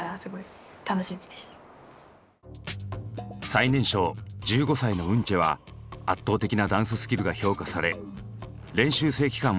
最年少１５歳のウンチェは圧倒的なダンススキルが評価され練習生期間